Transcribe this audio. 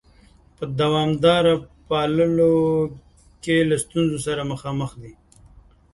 په دوامداره پاللو کې له ستونزو سره مخامخ دي؟